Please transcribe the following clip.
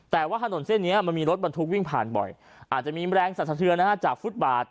แต่ว่าถนนเส้นนี้มันมีรถบรรทุกวิ่งผ่านบ่อยอาจจะมีแรงสรรสะเทือนจากฟุตบาท